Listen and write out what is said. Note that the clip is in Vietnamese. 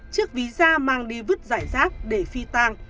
chiếc ví da mang đi vứt giải rác để phi tang